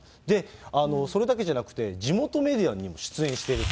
それだけじゃなくて、地元メディアにも出演していると。